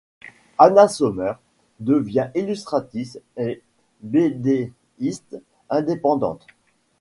Anna Sommer devient illustratrice et bédéiste indépendante.